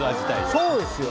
そうですよ